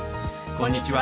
こんにちは。